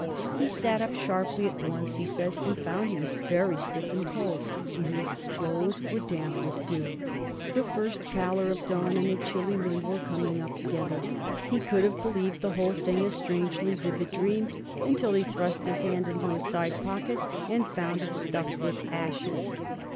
He sat up sharply at once, he says, and found he was very stiff and cold, and his clothes were damp with dew. The first pallor of dawn and a chilly wind were coming up together. He could have believed the whole thing a strangely vivid dream until he thrust his hand into his side pocket and found it stuffed with ashes.